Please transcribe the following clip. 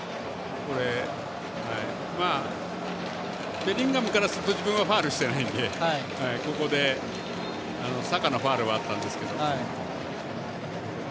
ベリンガムからすると自分はファウルしていないんでここでサカのファウルはあったんですけど。